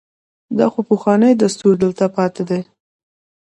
دا خو پخوانی دستور دلته پاتې دی.